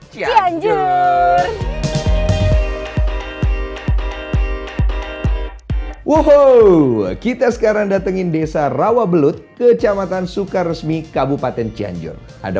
cianjur woho kita sekarang datengin desa rawabelut kecamatan sukaresmi kabupaten cianjur ada